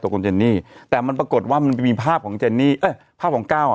คุณเจนนี่แต่มันปรากฏว่ามันมีภาพของเจนนี่เอ้ยภาพของก้าวอ่ะ